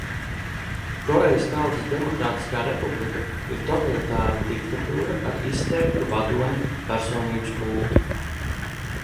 Korejas Tautas Demokrātiskā Republika ir totalitāra diktatūra ar izteiktu vadoņa personības kultu.